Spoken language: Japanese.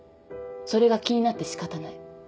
それが気になって仕方ない。